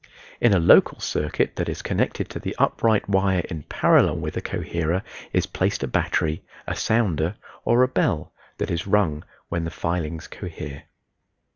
In a local circuit that is connected to the upright wire in parallel with the coherer is placed a battery, a sounder, or a bell, that is rung when the filings cohere.